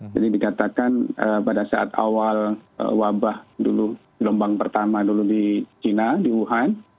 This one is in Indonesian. jadi dikatakan pada saat awal wabah dulu gelombang pertama dulu di china di wuhan